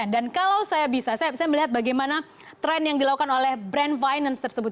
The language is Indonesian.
dan kalau saya bisa saya bisa melihat bagaimana tren yang dilakukan oleh brand finance tersebut